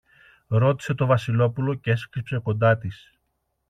ρώτησε το Βασιλόπουλο κι έσκυψε κοντά της.